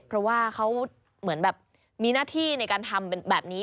เพราะว่าเขาเหมือนแบบมีหน้าที่ในการทำแบบนี้